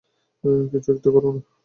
কিছু একটা করো না।